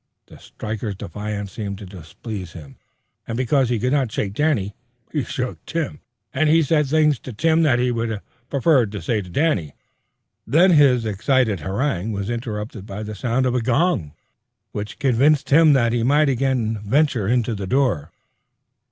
The striker's defiance seemed to displease him, and, because he could not shake Danny, he shook Tim, and he said things to Tim that he would have preferred to say to Danny. Then his excited harangue was interrupted by the sound of a gong, which convinced him that he might again venture to the door.